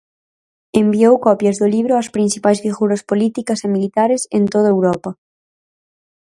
Enviou copias do libro ás principais figuras políticas e militares en todo Europa.